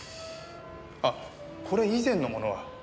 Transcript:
あっこれ以前のものは？